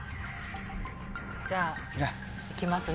じゃあいきますね。